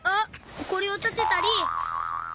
ほこりをたてたり。